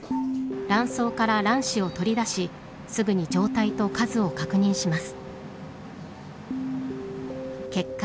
卵巣から卵子を取り出しすぐに状態と数を確認します。